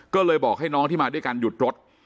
ก็เลยบอกให้น้องที่มาด้วยกันหยุดรถ